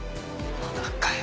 まだかよ